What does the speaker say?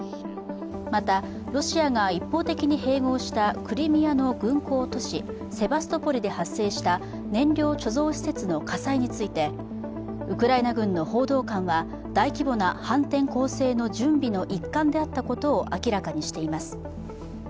また、ロシアが一方的に併合したクリミアの軍港都市セバストポリで発生した燃料貯蔵施設の火災についてウクライナ軍の報道官は大規模な反転攻勢の準備の一環であったことを明らかにしています。